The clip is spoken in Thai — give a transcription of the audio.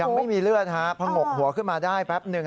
ยังไม่มีเลือดฮะผงกหัวขึ้นมาได้แป๊บหนึ่ง